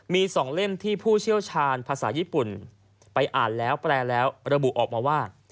มี๒เล่มที่ผู้เชี่ยวชาญภาษาญี่ปุ่นไปอ่านแล้วแปลแล้วระบุออกมาว่า